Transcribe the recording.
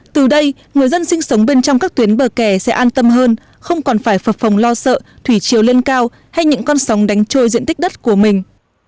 từ đây người dân sinh sống bên trong các tuyến bờ kè sẽ an tâm hơn không còn phải phập phòng lo sợ thủy chiều lên cao hay những con sóng đánh trôi diện tích đất của mình